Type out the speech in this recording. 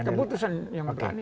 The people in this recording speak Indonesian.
keputusan yang berani